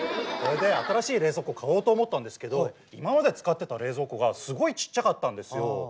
それで新しい冷蔵庫を買おうと思ったんですけど今まで使ってた冷蔵庫がすごいちっちゃかったんですよ。